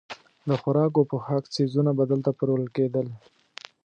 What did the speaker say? د خوراک او پوښاک څیزونه به دلته پلورل کېدل.